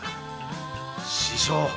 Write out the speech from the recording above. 師匠